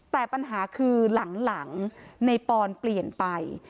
แต่ปัญหาคือหลังในปอนเปลี่ยนไป